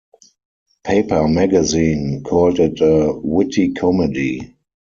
Paper Magazine called it a "witty comedy".